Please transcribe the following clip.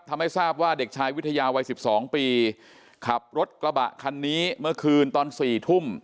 ทำให้ทราบว่าเด็กชายวิทยาวัย๑๒ปีขับรถกระบะคันนี้เมื่อคืนตอน๔ทุ่ม